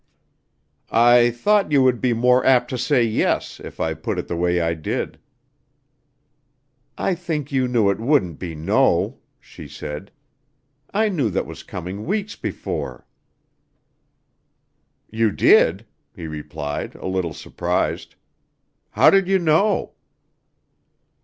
"I thought you would be more apt to say 'yes' if I put it the way I did." "I think you knew it wouldn't be 'no,'" she said. "I knew that was coming weeks before." "You did," he replied, a little surprised. "How did you know?"